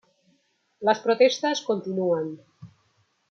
Las protestas continúan.